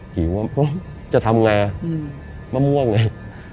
หิวว่าจะทำไงมะม่วงไง